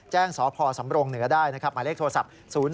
สพสำรงเหนือได้นะครับหมายเลขโทรศัพท์๐๔